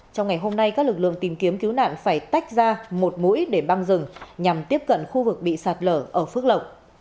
trong ngày hôm nay các lực lượng tìm kiếm cứu nạn phải tách ra một mũi để băng rừng nhằm tiếp cận khu vực bị sạt lở ở phước lộc